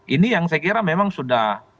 ini yang saya kira memang sudah